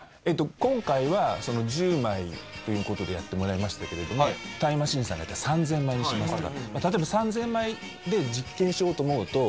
今回は１０枚という事でやってもらいましたけれどもタイムマシーンさんがやった３０００枚にしましたら。